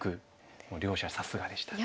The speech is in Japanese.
もう両者さすがでしたね。